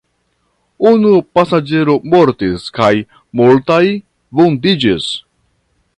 Unu pasaĝero mortis kaj multaj vundiĝis.